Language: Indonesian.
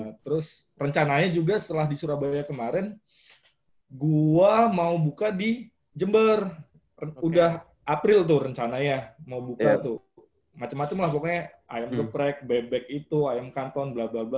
nah terus rencananya juga setelah di surabaya kemarin gue mau buka di jember udah april tuh rencananya mau buka tuh macam macam lah pokoknya ayam geprek bebek itu ayam kantong bla bla bla